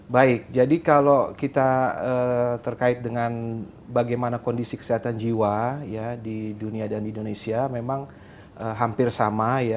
baik jadi kalau kita terkait dengan bagaimana kondisi kesehatan jiwa di dunia dan di indonesia memang hampir sama ya